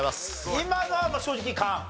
今のは正直勘？